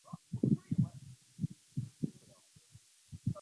安藤希是日本的女演员。